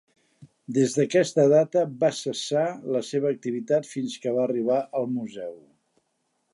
Des d’aquesta data va cessar la seva activitat fins que va arribar al Museu.